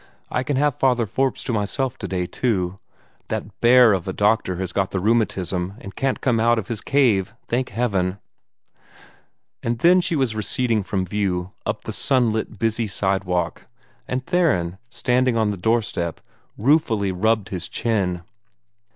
I can have Father Forbes to myself today, too. That bear of a doctor has got the rheumatism, and can't come out of his cave, thank Heaven!" And then she was receding from view, up the sunlit, busy sidewalk, and Theron, standing on the doorstep, ruefully rubbed his chin.